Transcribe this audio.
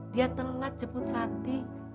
dia telat jemput santi